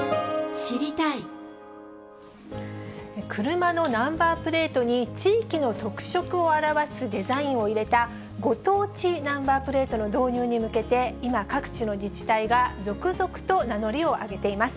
車のナンバープレートに、地域の特色を表すデザインを入れた、ご当地ナンバープレートの導入に向けて、今、各地の自治体が続々と名乗りを上げています。